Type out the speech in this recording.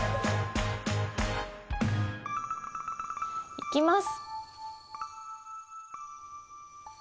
いきます。